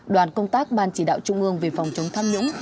đoàn công tác ban chỉ đạo trung ương về phòng chống tham nhũng